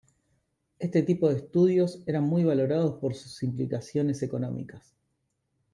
Este tipo de estudios eran muy valorados por sus implicaciones económicas.